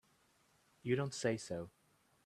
You don't say so!